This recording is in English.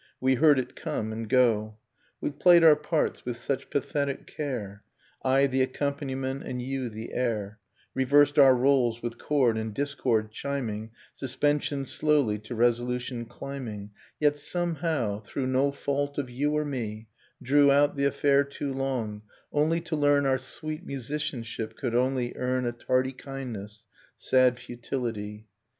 We heard it come and go, j I Episode in Grey We played our parts with such pathetic care, I the accompaniment and you the air, Reversed our roles, with chord and discord chiming, Suspension slowly to resolution climbing, — Yet somehow, through no fault of you or me, Drew out the affair too long, only to learn Our sweet musicianship could only earn A tardy kindness, sad futility.